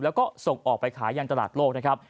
แล้วก็ส่งออกไปขายยังตลาดโลกนะครับ